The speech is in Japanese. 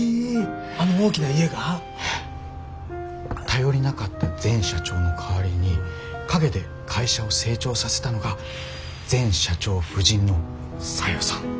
頼りなかった前社長の代わりに陰で会社を成長させたのが前社長夫人の小夜さん。